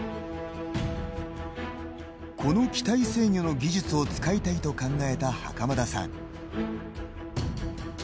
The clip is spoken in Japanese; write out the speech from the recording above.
この機体制御の技術を使いたいと考えた袴田さん。